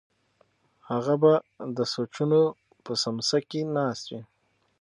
هغه به د سوچونو په سمڅه کې ناست وي.